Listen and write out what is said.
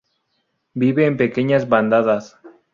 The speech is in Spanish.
Vive en pequeñas bandadas.